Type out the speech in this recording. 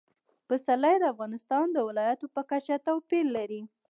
پسرلی د افغانستان د ولایاتو په کچه توپیر لري.